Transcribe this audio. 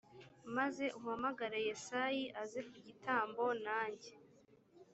maze uhamagare yesayi aze ku gitambo nanjye